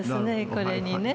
これにね。